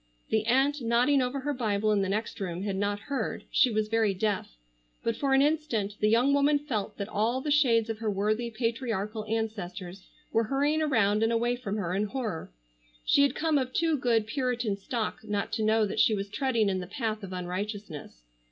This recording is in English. The aunt nodding over her Bible in the next room had not heard,—she was very deaf,—but for an instant the young woman felt that all the shades of her worthy patriarchal ancestors were hurrying around and away from her in horror. She had come of too good Puritan stock not to know that she was treading in the path of unrighteousness.